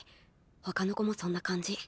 他の子もそんな感じ。